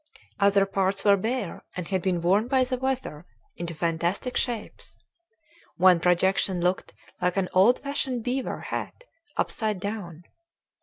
Other parts were bare and had been worn by the weather into fantastic shapes one projection looked like an old fashioned beaver hat upside down.